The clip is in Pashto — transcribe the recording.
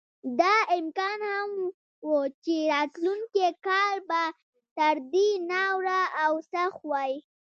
دا امکان هم و چې راتلونکی کال به تر دې ناوړه او سخت وای.